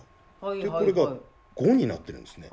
これが５になってるんですね。